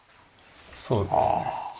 そうですね。